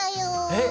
えっ？